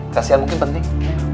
kasihan mungkin penting